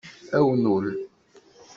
Awnul